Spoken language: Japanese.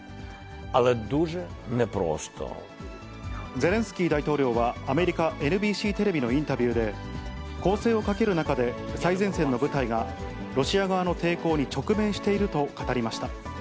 ゼレンスキー大統領はアメリカＮＢＣテレビのインタビューで、攻勢をかける中で、最前線の部隊が、ロシア側の抵抗に直面していると語りました。